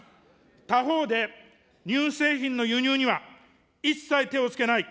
他方で、乳製品の輸入には、一切手をつけない。